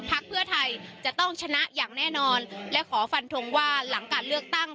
เพื่อไทยจะต้องชนะอย่างแน่นอนและขอฟันทงว่าหลังการเลือกตั้ง